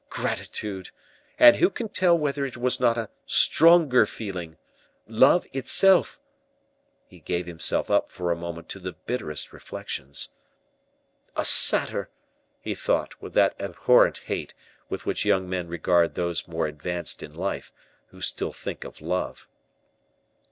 Gratitude! and who can tell whether it was not a stronger feeling love itself?" He gave himself up for a moment to the bitterest reflections. "A satyr!" he thought, with that abhorrent hate with which young men regard those more advanced in life, who still think of love.